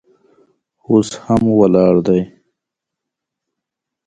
اوس هم ولاړ دی.